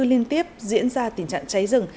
liên tiếp diễn ra tình trạng cháy rừng